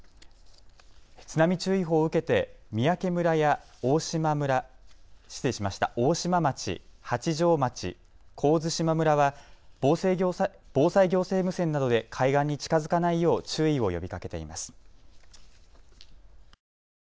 津波注意報を受けて三宅村や大島町、八丈町、神津島村は防災行政無線などで海岸に近づかないよう注意を呼びかけています。